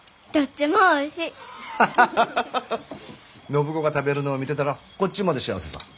暢子が食べるのを見てたらこっちまで幸せさぁ。